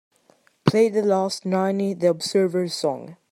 play the last Niney The Observer song